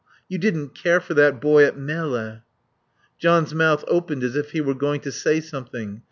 You didn't care for that boy at Melle " John's mouth opened as if he were going to say something.